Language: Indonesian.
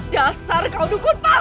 dasar kau dukun palsu